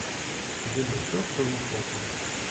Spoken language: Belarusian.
Елі ўсё, што знаходзілі.